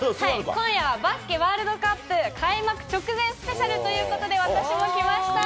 今夜はバスケワールドカップ開幕直前スペシャルということで、私も来ました。